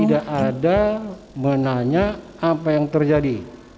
jadi tidak ada menanya apa yang terjadi